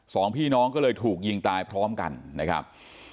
สองพี่น้องก็เลยถูกยิงตายพร้อมกันนะครับ